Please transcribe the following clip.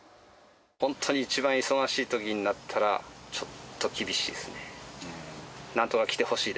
本当に一番忙しいときになったら、ちょっと厳しいですね。